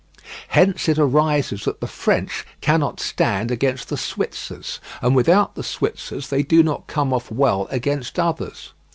Hence it arises that the French cannot stand against the Switzers, and without the Switzers they do not come off well against others.